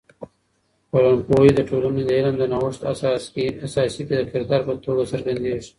ټولنپوهی د ټولنې د علم د نوښت اساسي کې د کردار په توګه څرګندیږي.